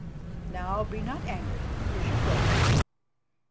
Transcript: Now, be not angry. Here's your cloak."